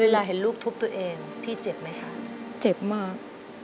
เห็นลูกทุบตัวเองพี่เจ็บไหมคะเจ็บมาก